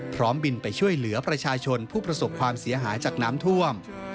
บินไปช่วยเหลือประชาชนผู้ประสบความเสียหายจากน้ำท่วม